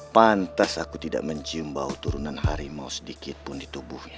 pantas aku tidak mencium bau turunan harimau sedikitpun di tubuh